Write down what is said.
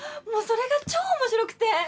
もうそれが超面白くて。